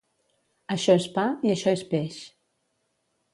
Això és pa i això és peix.